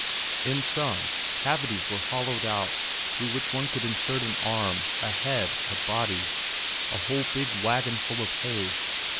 In some, cavities were hollowed out through which one could insert an arm, a head, a body, a whole big wagon full of hay.